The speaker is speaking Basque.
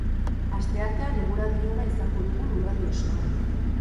Asteartean eguraldi ona izango dugu lurralde osoan.